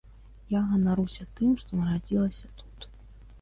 Я ганаруся тым, што нарадзілася тут.